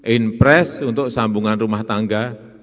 in press untuk sambungan rumah tangga